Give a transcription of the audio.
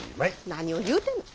何を言うてんねん！